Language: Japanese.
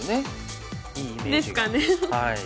ですかね。